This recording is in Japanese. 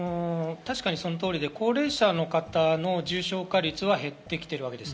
確かにその通りで高齢者の方の重症化率は減ってきているわけです。